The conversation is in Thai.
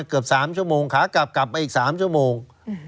เกือบ๓ชั่วโมงขากลับกลับมาอีก๓ชั่วโมง